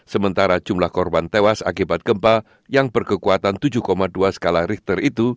sementara jumlah korban tewas akibat gempa yang berkekuatan tujuh dua skala richter itu